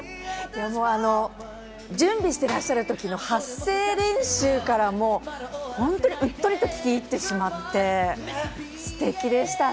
もう準備してらっしゃる時の発声練習からもう、うっとりと聴き入ってしまって、ステキでしたね。